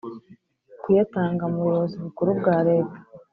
kuyatanga mu Buyobozi Bukuru bwa leta